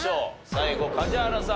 最後梶原さん